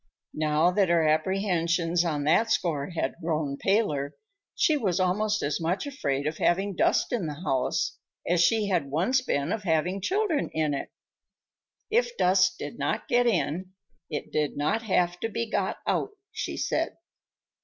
Now that her apprehensions on that score had grown paler, she was almost as much afraid of having dust in the house as she had once been of having children in it. If dust did not get in, it did not have to be got out, she said.